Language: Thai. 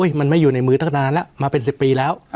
มันไม่อยู่ในมือตั้งนานแล้วมาเป็น๑๐ปีแล้ว